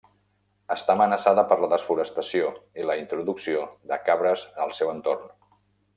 Està amenaçada per la desforestació i la introducció de cabres al seu entorn.